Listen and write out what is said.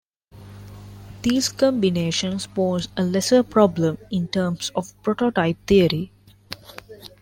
These combinations pose a lesser problem in terms of prototype theory.